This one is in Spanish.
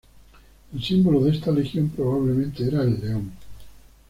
El símbolo de esta legión probablemente era el león.